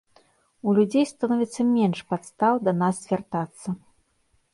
У людзей становіцца менш падстаў да нас звяртацца.